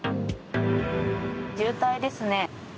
渋滞ですね。